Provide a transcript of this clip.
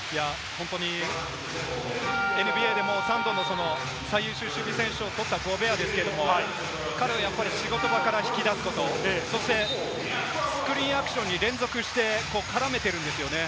本当にＮＢＡでも３度の最優秀守備選手を取ったゴベアですけれども、彼を仕事場から引き出すこと、そして、スクリーンアクションに連続して絡めてるんですよね。